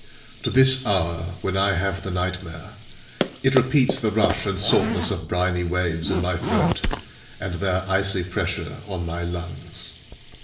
To this hour, when I have the nightmare, it repeats the rush and saltness of briny waves in my throat, and their icy pressure on my lungs.